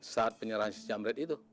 saat penyerahan si jamret itu